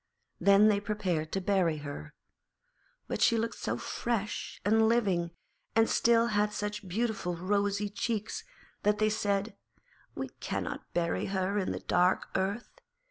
Then they prepared to bury her, but she looked so fresh and living, and still had such beautiful rosy cheeks, that they said, 'We cannot bury her in the dark earth.'